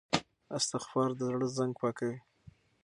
استغفار د زړه زنګ پاکوي.